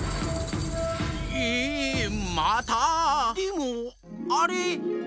ええまた⁉でもあれ。